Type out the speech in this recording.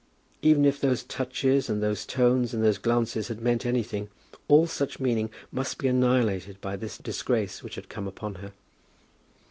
Even if those touches and those tones and those glances had meant anything, all such meaning must be annihilated by this disgrace which had come upon her.